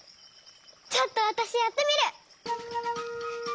ちょっとわたしやってみる！